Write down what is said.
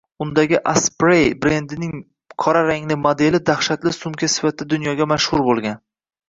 Undagi Asprey brendining qora rangli modeli dahshatli sumka sifatida dunyoga mashhur bo‘lgan